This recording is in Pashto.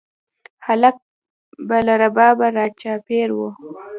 هلکان به له ربابه راچاپېر وي